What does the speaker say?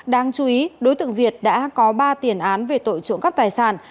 đáng chú ý đối tượng việt đã có ba tiền án về tội trộm cắp tài sản